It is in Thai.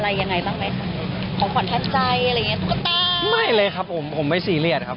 อยากได้ของขวัญทางใจอะไรยังไงบ้างไหมครับ